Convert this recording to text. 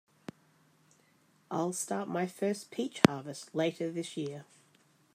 I'll start my first peach harvest later this year.